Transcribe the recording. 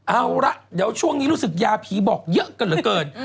เอาละเดี๋ยวช่วงนี้รู้สึกยาผีบอกเยอะกันเหลือเกิน